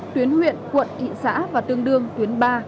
tuyến huyện quận thị xã và tương đương tuyến ba